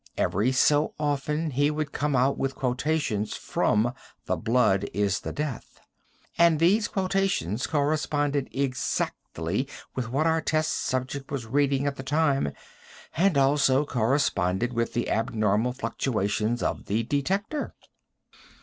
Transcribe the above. Every so often, he would come out with quotations from 'The Blood is the Death,' and these quotations corresponded exactly with what our test subject was reading at the time, and also corresponded with the abnormal fluctuations of the detector."